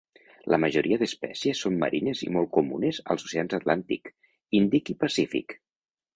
La majoria d'espècies són marines i molt comunes als oceans Atlàntic, Índic i Pacífic.